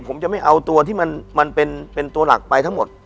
ผมจะไม่เอาตัวที่มันเป็นตัวหลักไปทั้งหมด